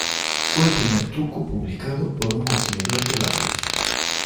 Fue el primer truco publicado por un consumidor de la revista.